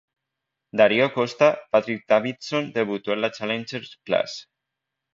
Dario Costa, Patrick Davidson debutó en la Challenger Class.